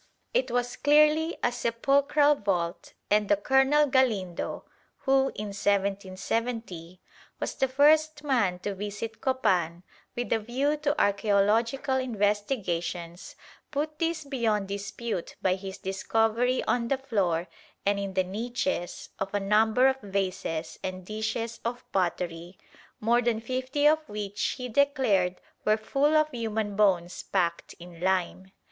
It was clearly a sepulchral vault, and a Colonel Galindo, who, in 1770, was the first man to visit Copan with a view to archæological investigations, put this beyond dispute by his discovery on the floor and in the niches of a number of vases and dishes of pottery, more than fifty of which he declared were full of human bones packed in lime.